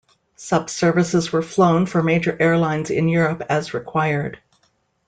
Sub-services were flown for major airlines in Europe as required.